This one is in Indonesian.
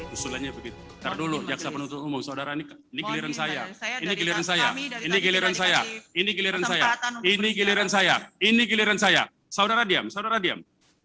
ini giliran saya ini giliran saya ini giliran saya ini giliran saya ini giliran saya saudara diam diam